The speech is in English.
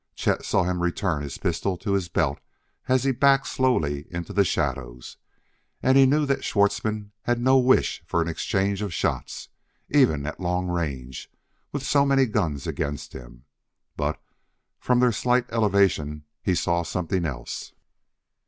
Chet saw him return his pistol to his belt as he backed slowly into the shadows, and he knew that Schwartzmann had no wish for an exchange of shots, even at long range, with so many guns against him. But from their slight elevation he saw something else.